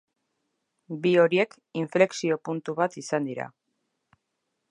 Bi horiek inflexio-puntu bat izan dira.